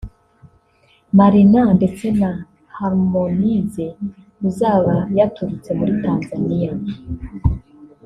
Marina ndetse na Harmonize uzaba yaturutse muri Tanzania